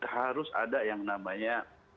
harus ada yang namanya